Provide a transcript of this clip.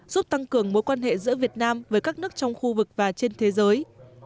giúp tăng cường mối quan hệ giữa việt nam với các nước trong khu vực và trên thế giới